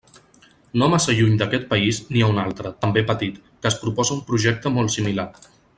No massa lluny d'aquest país n'hi ha un altre, també petit, que es proposa un projecte molt similar.